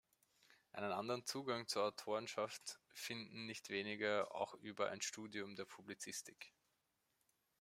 Einen anderen Zugang zur Autorenschaft finden nicht wenige auch über ein Studium der Publizistik.